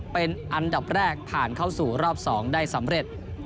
เป็นอันดับแรกผ่านเข้าสู่รอบ๒ได้สำเร็จ